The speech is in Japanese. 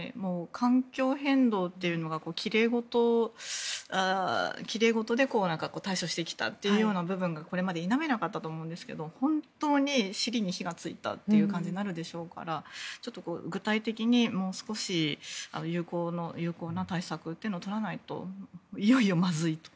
環境変動というのが奇麗事で対処してきたというような部分がこれまで否めなかったと思うんですが本当に尻に火がついたという感じになるでしょうから具体的にもう少し有効な対策というのを取らないといよいよまずいと。